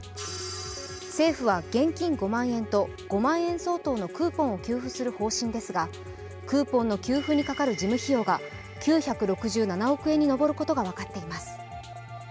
政府は現金５万円と５万円相当のクーポンを給付する方針ですが、クーポンの給付にかかる事務費用が９６７億円に上ることが分かっています。